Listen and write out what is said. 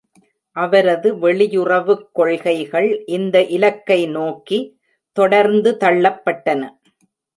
அவரது வெளியுறவுக் கொள்கைகள் இந்த இலக்கை நோக்கி தொடர்ந்து தள்ளப்பட்டன.